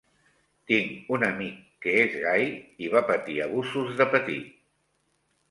Tinc un amic que és gai i va patir abusos de petit.